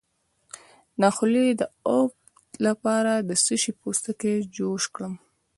د خولې د افت لپاره د څه شي پوستکی جوش کړم؟